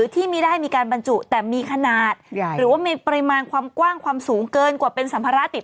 ที่มันใหญ่กว่าปกติ